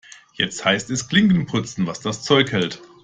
Jetzt heißt es Klinken putzen, was das Zeug hält.